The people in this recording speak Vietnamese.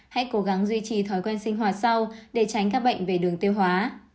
hãy cố gắng duy trì thói quen sinh hoạt sau để tránh các bệnh về đường tiêu hóa